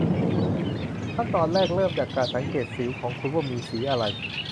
ขั้นตอนแรกเริ่มจากการสังเกตสิวของคุณว่ามีสีอะไร